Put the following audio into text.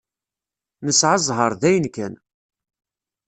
Nesεa ẓẓher dayen kan.